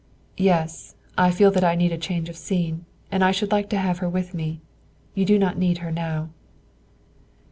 "Yes, I feel that I need a change of scene, and I should like to have her with me; you do not need her now."